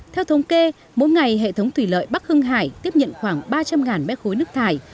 theo thống kê mỗi ngày hệ thống thủy lợi bắc hưng hải tiếp nhận khoảng ba trăm linh m ba nước thải